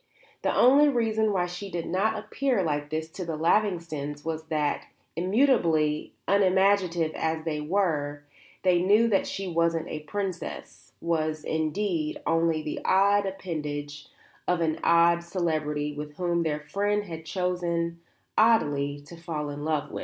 The only reason why she did not appear like this to the Lavingtons was that, immutably unimaginative as they were, they knew that she wasn't a princess, was, indeed, only the odd appendage of an odd celebrity with whom their friend had chosen, oddly, to fall in love.